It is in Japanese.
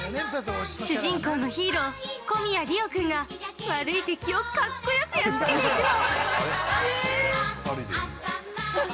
主人公のヒーロー小宮リオくんが悪い敵をかっこよくやっつけていくの。